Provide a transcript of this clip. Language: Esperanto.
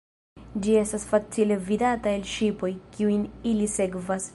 Ĝi estas facile vidata el ŝipoj, kiujn ili sekvas.